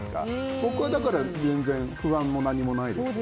僕はだから全然不安も何もないですね。